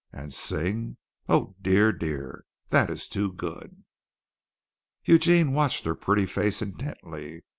"And sing! Oh, dear, dear! That is too good!" Eugene watched her pretty face intently.